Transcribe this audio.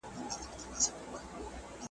ور په یاد یې باید تېره بد بختي سي .